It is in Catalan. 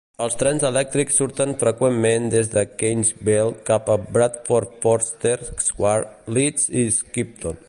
Els trens elèctrics surten freqüentment des de Keighley cap a Bradford Forster Square, Leeds i Skipton.